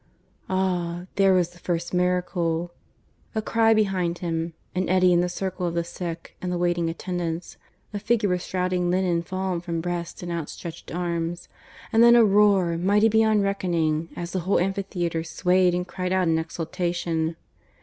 ... Ah! there was the first miracle! ... A cry behind him, an eddy in the circle of the sick and the waiting attendants, a figure with shrouding linen fallen from breast and outstretched arms, and then a roar, mighty beyond reckoning, as the whole amphitheatre swayed and cried out in exultation.